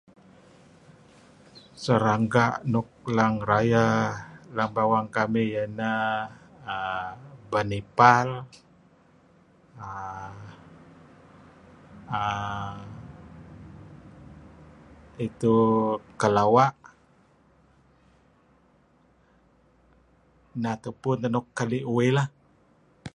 Serangga nuk leng rayeh lem bawang kamih iyeh neh err benipal, err itu kelawa', neh tupu teh nuk keli' uih lah